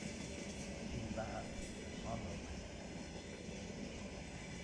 He laughed hollowly.